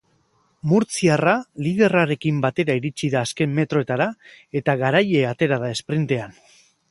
Murtziarra liderrarekin batera iritsi da azken metroetara eta garaile atera da esprintean.